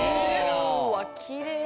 うわきれい。